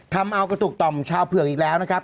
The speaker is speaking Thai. ทำเอากระตุกต่อมชาวเผือกอีกแล้วนะครับ